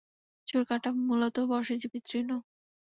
চোরকাঁটা মূলত বর্ষজীবী তৃণ।